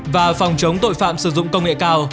và phòng chống tội phạm sử dụng công nghệ cao